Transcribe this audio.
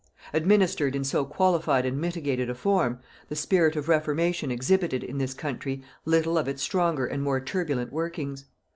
Administered in so qualified and mitigated a form, the spirit of reformation exhibited in this country little of its stronger and more turbulent workings.